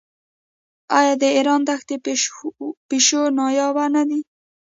آیا د ایران دښتي پیشو نایابه نه ده؟